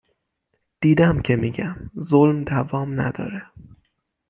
دیدم که می گم ظلم دوام نداره